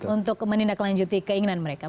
untuk menindaklanjuti keinginan mereka